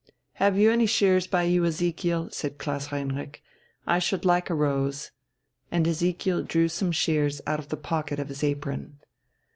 "Have you any shears by you, Ezekiel?" said Klaus Heinrich, "I should like a rose." And Ezekiel drew some shears out of the pocket of his apron.